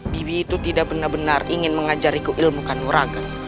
bibi itu tidak benar benar ingin mengajariku ilmu kanoraga